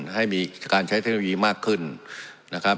ให้มีการใช้เทคโนโลยีมากขึ้นนะครับ